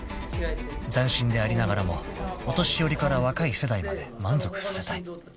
［斬新でありながらもお年寄りから若い世代まで満足させたい］